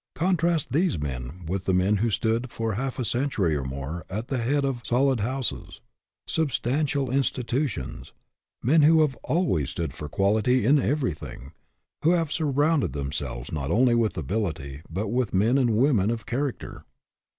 Contrast these men with the men who stood for half a century or more at the head of solid houses, substantial institutions ; men who have always stood for quality in everything; who have surrounded themselves not only with ability but with men and women of character.